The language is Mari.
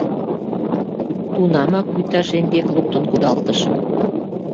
— Тунамак вӱта шеҥгек луктын кудалтышым.